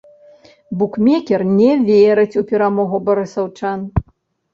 Букмекер не вераць у перамогу барысаўчан.